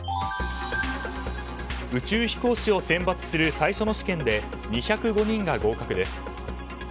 宇宙飛行士を選抜する最初の試験で２０５人が合格です。